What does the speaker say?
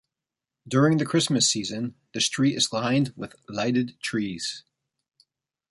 During the Christmas season, the street is lined with lighted trees.